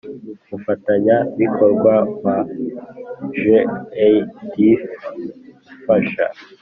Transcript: Mufatanyabikorwa wa jadf ifasha